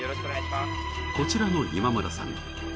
こちらの今村さん。